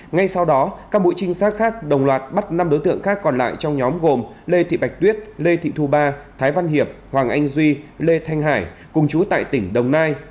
ngay sau đó các mũi trinh sát khác đồng loạt bắt năm đối tượng khác còn lại trong nhóm gồm lê thị bạch tuyết lê thị thu ba thái văn hiệp hoàng anh duy lê thanh hải cùng chú tại tỉnh đồng nai